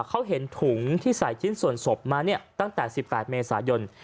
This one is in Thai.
เขาเห็นถุงที่ใส่ชิ้นส่วนศพมาเนี่ยตั้งแต่๑๘เมษายน